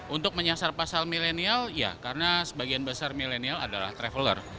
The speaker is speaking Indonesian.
untuk menyasar pasal milenial ya karena sebagian besar milenial adalah traveler